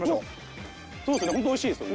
そうですね。